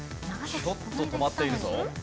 ちょっと止まっているぞ。